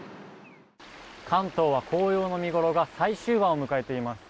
関東は紅葉の見ごろが最終盤を迎えています。